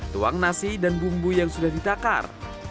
tuang nasi dan bumbu yang sudah ditakar